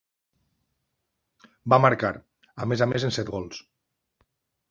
Va marcar, a més a més amb set gols.